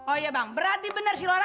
oh iya bang berarti benar si lora